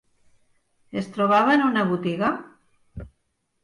Es trobava en una botiga?